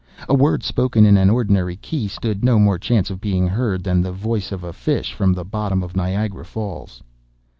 A word spoken in an ordinary key stood no more chance of being heard than the voice of a fish from the bottom of Niagara Falls.